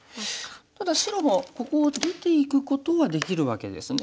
ただ白もここを出ていくことはできるわけですね。